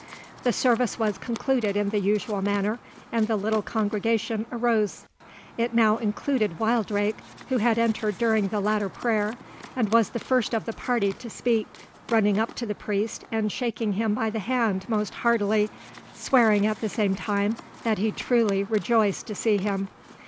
The service was concluded in the usual manner, and the little congregation arose. It now included Wildrake, who had entered during the latter prayer, and was the first of the party to speak, running up to the priest, and shaking him by the hand most heartily, swearing at the same time, that he truly rejoiced to see him.